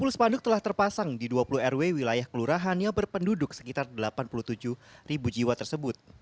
sepuluh spanduk telah terpasang di dua puluh rw wilayah kelurahan yang berpenduduk sekitar delapan puluh tujuh ribu jiwa tersebut